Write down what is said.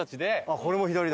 これも左だ。